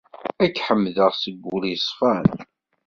Ad k-ḥemdeɣ seg wul yeṣfan.